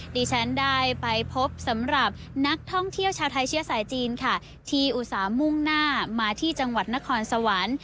ดิฉันได้ไปพบสำหรับนักท่องเที่ยวชาวไทยเชื้อสายจีนค่ะที่อุตส่าห์มุ่งหน้ามาที่จังหวัดนครสวรรค์